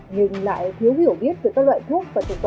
nhưng lại thiếu hiểu biết về các loại